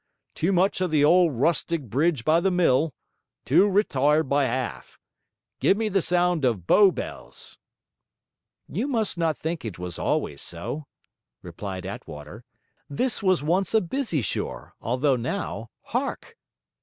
Too much of "the old rustic bridge by the mill"; too retired, by 'alf. Give me the sound of Bow Bells!' 'You must not think it was always so,' replied Attwater, 'This was once a busy shore, although now, hark!